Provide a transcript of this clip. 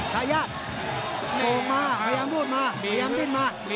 ทายาทโลงมาพยายามพูดมาพยายามดิ้นมา